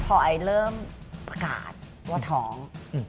พอไอเริ่มประกาศว่าท้อง